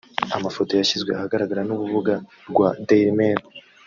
Ku mafoto yashyizwe ahagaragara n’ububuga rwa dailymail